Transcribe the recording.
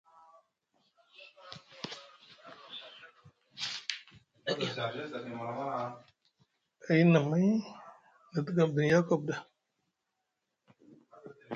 Ayni nʼamay na te ga midini Yacob ɗa.